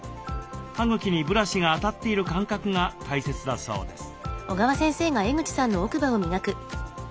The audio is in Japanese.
歯茎にブラシが当たっている感覚が大切だそうです。